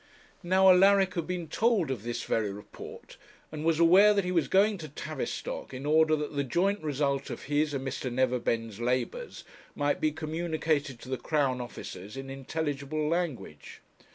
Now Alaric had been told of this very report, and was aware that he was going to Tavistock in order that the joint result of his and Mr. Neverbend's labours might be communicated to the Crown officers in intelligible language.